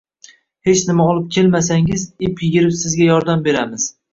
Hech nima olib kelmasangiz, ip yigirib sizga yordam beramiz.